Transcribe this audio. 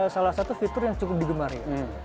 salah satu fitur yang cukup digemari